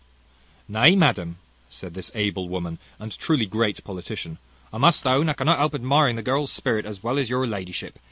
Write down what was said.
"Nay, madam," said this able woman, and truly great politician, "I must own I cannot help admiring the girl's spirit, as well as your ladyship.